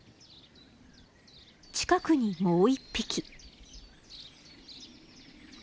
近くにもう１匹。